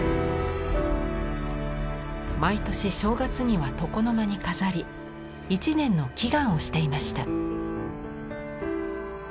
毎年正月には床の間に飾り一年の祈願をしていました。